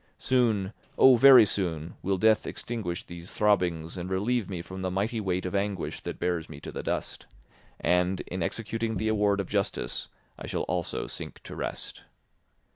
Soon, oh, very soon, will death extinguish these throbbings and relieve me from the mighty weight of anguish that bears me to the dust; and, in executing the award of justice, I shall also sink to rest.